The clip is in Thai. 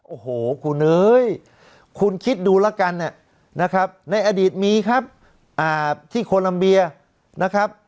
โอ้โหคุณเอ๋ยคุณคิดดูแล้วกันนะครับในอดีตมีครับที่โคลัมเบียนะครับ